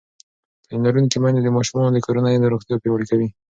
تعلیم لرونکې میندې د ماشومانو د کورنۍ روغتیا پیاوړې کوي.